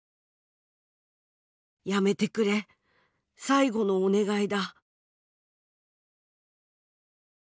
やめてくれ最後のお願いだ」。